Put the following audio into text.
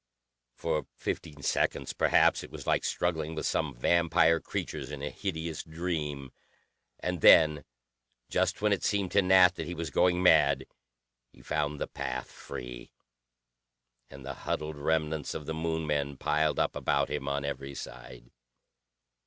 For fifteen seconds, perhaps, it was like struggling with some vampire creatures in a hideous dream. And then, just when it seemed to Nat that he was going mad, he found the path free, and the huddled remnants of the Moon men piled up about him on every side.